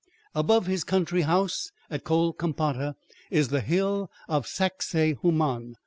Above his country house at Colcampata is the hill of Sacsahuaman.